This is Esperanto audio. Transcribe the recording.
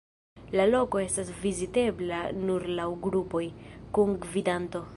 La loko estas vizitebla nur laŭ grupoj, kun gvidanto.